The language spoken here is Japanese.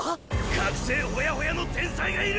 覚醒ホヤホヤの天才がいる！